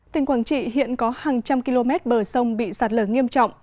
tỉnh quảng trị hiện có hàng trăm km bờ sông bị sạt lở nghiêm trọng